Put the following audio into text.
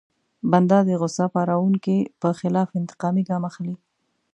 بنده د غوسه پاروونکي په خلاف انتقامي ګام اخلي.